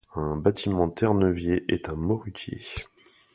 Un bâtiment terre-neuvier est un morutier.